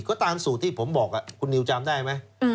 ก็ตามสูตรที่ผมบอกคุณนิวจำได้ไหม